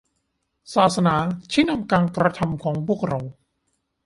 ศาสนาชี้นำการกระทำของพวกเรา